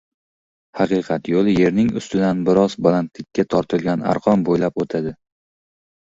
Haqiqat yo‘li yerning ustidan biroz balandlikda tortilgan arqon bo‘ylab o‘tadi.